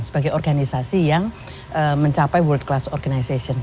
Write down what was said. sebagai organisasi yang mencapai world class organization